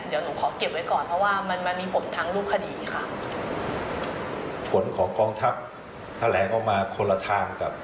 เดี๋ยวหนูขอเก็บไว้ก่อนเพราะว่ามันมันมีผลทางรูปคดีค่ะผลของกองทัพแถลงออกมาคนละทางกับ